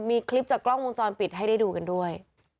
มีคลิปจากกล้องวงจรปิดให้ได้ดูกันด้วย